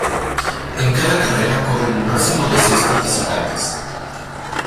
En cada carrera corren un máximo de seis participantes.